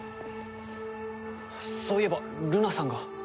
そういえばルナさんが。